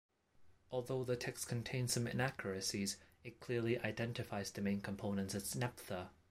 Although the text contains some inaccuracies, it clearly identifies the main component as naphtha.